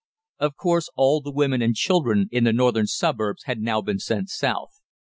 Of course, all the women and children in the northern suburbs had now been sent south.